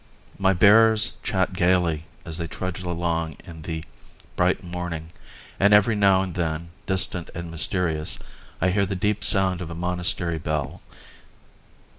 My bearers chat gaily as they trudge along in the bright morning and every now and then, distant and mysterious, I hear the deep sound of a monastery bell.